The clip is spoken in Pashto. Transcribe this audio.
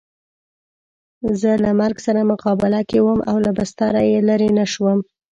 زه له مرګ سره مقابله کې وم او له بستره یې لرې نه شوم.